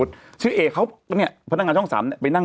ตอนที่ผมสัมภาษณ์